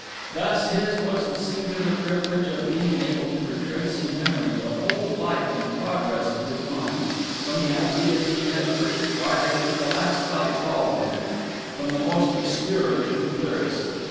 Thus his was the singular privilege of being able to retrace in memory the whole life and progress of his mind, from the ideas he had first acquired to the last thought evolved in it, from the most obscure to the clearest.